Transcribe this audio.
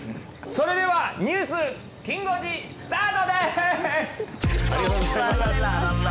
それではニュースきん５時スタートです！